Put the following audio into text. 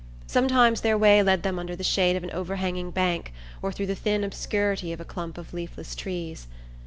Sometimes their way led them under the shade of an overhanging bank or through the thin obscurity of a clump of leafless trees.